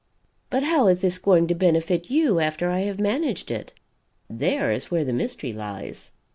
But how is this going to benefit you, after I have managed it? There is where the mystery lies."